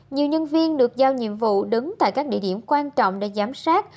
nhiều nhân viên được giao nhiệm vụ đứng tại các địa điểm quan trọng để giám sát